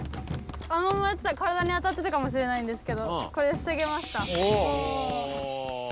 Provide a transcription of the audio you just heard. あのままやってたら体に当たってたかもしれないんですけどこれで防げました。